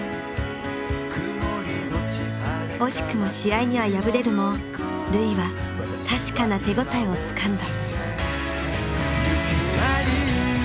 惜しくも試合には敗れるも瑠唯は確かな手応えをつかんだ。